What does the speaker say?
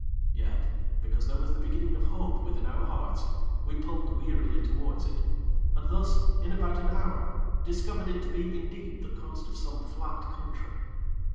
Yet, because there was the beginning of hope within our hearts, we pulled wearily towards it, and thus, in about an hour, discovered it to be indeed the coast of some flat country.